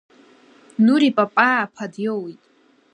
Нури Папаа ԥа диоуит!